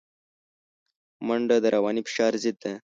منډه د رواني فشار ضد ده